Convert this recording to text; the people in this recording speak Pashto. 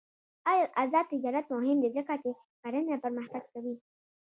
آزاد تجارت مهم دی ځکه چې کرنه پرمختګ کوي.